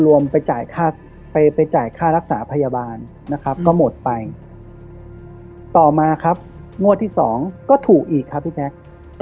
หมาพยาบาลนะครับก็หมดไปต่อมาครับงวดที่สองก็ถูกอีกครับพี่แจ๊ค